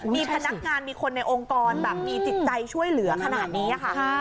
มีพนักงานมีคนในองค์กรแบบมีจิตใจช่วยเหลือขนาดนี้ค่ะ